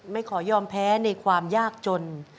ขอยอมแพ้ในความยากจน